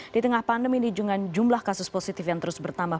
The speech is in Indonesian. di tengah pandemi ini jumlah kasus positif yang terus bertambah